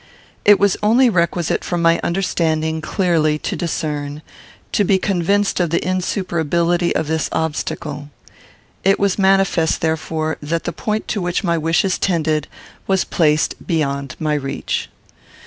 It was only requisite for my understanding clearly to discern, to be convinced of the insuperability of this obstacle. It was manifest, therefore, that the point to which my wishes tended was placed beyond my reach.